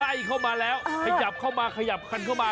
เข้ามาแล้วขยับเข้ามาขยับคันเข้ามา